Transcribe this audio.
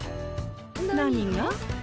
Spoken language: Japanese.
何が？